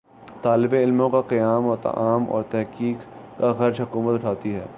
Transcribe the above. طالب علموں کا قیام و طعام اور تحقیق کا خرچ حکومت اٹھاتی ہے